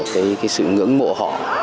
cái sự ngưỡng mộ họ